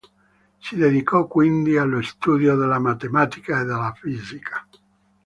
Si dedicò quindi allo studio della matematica e della fisica.